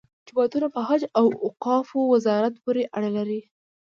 جوماتونه په حج او اوقافو وزارت پورې اړه لري.